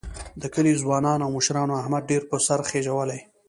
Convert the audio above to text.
د کلي ځوانانو او مشرانو احمد ډېر په سر خېجولی.